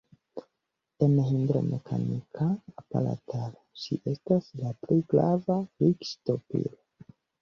En hidromekanika aparataro ĝi estas la plej grava likŝtopilo.